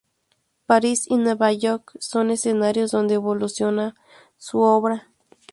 París y Nueva York son escenarios donde evoluciona su obra.